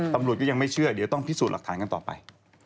ตำรวจก็ยังไม่เชื่อเดี๋ยวต้องพิสูจน์หลักฐานกันต่อไป